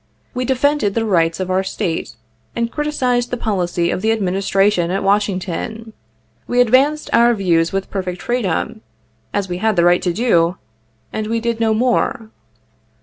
We defended the rights of our State, and criticized the policy of the Administration at Washing ton. We advanced our views with perfect freedom, as we had the right to do, and we did no more.